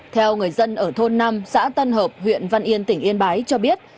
theo người dân ở thôn năm xã tân hợp huyện văn yên tỉnh yên bái cho biết